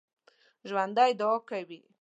ژوندي دعا کوي